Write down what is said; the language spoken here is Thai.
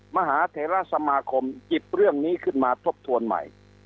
มหาเทราสมาคมหยิบเรื่องนี้ขึ้นมาทบทวนใหม่